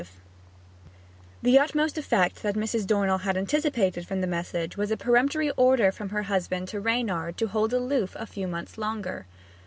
The utmost effect that Mrs. Dornell had anticipated from the message was a peremptory order from her husband to Reynard to hold aloof a few months longer.